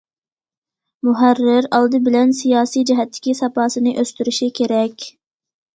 مۇھەررىر ئالدى بىلەن سىياسىي جەھەتتىكى ساپاسىنى ئۆستۈرۈشى كېرەك.